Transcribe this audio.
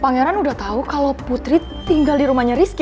pangeran udah tahu kalau putri tinggal di rumahnya rizky